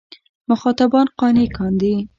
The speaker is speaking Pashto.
مخاطبان قانع کاندي.